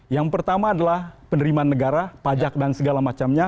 yang pertama adalah penerimaan negara pajak dan segala macamnya